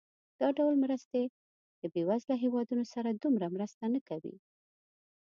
دا ډول مرستې د بېوزله هېوادونو سره دومره مرسته نه کوي.